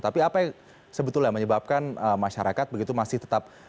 tapi apa yang sebetulnya menyebabkan masyarakat begitu masih tetap